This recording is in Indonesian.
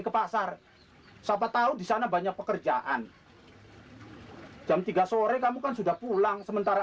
ke pasar siapa tahu di sana banyak pekerjaan jam tiga sore kamu kan sudah pulang sementara